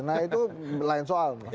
nah itu lain soal